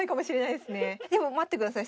でも待ってください